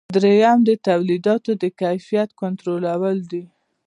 دریم د تولیداتو د کیفیت کنټرولول دي.